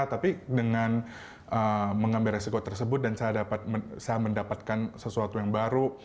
tapi dengan mengambil resiko tersebut dan saya mendapatkan sesuatu yang baru